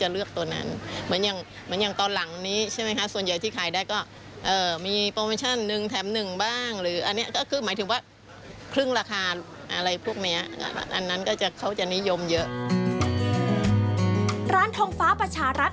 ร้านทองฟ้าประชารัฐ